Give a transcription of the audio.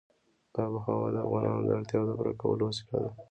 آب وهوا د افغانانو د اړتیاوو د پوره کولو وسیله ده.